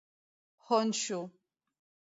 Honshu.